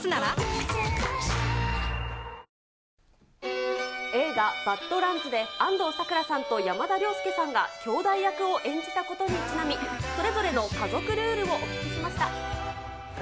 ペイトク映画、バッド・ランズで安藤サクラさんと山田涼介さんがきょうだい役を演じたことにちなみ、それぞれの家族ルールをお聞きしました。